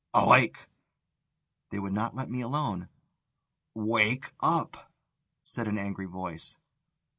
"Awake!" They would not let me alone. "Wake up!" said an angry voice.